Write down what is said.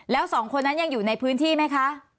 แล้วสองคนนั้นยังอยู่ในพื้นที่ไหมคะ